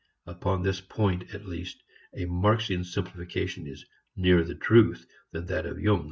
Upon this point at least a Marxian simplification is nearer the truth than that of Jung.